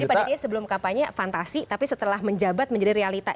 jadi pada dia sebelum kampanye fantasi tapi setelah menjabat menjadi realita